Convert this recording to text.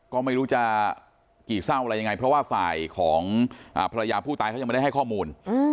ก็ไม่รู้จะกี่เศร้าอะไรยังไงเพราะว่าฝ่ายของภรรยาผู้ตายเขายังไม่ได้ให้ข้อมูล